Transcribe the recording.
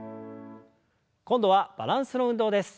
今度はバランスの運動です。